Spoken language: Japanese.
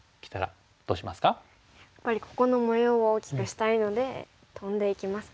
やっぱりここの模様を大きくしたいのでトンでいきますか。